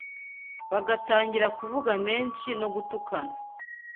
bagatangira kuvuga menshi no gutukana.